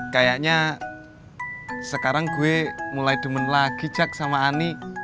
kayaknya sekarang gue mulai demen lagi cak sama ani